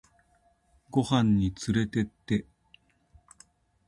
ご飯につれてって